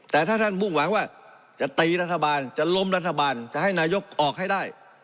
แต่ถ้าท่านมุ่งหวังว่าจะตีรัฐบาลจะล้มรัฐบาลจะให้นายกออกให้ได้